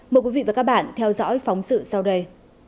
mời quý vị và các bạn theo dõi phóng sự sau đây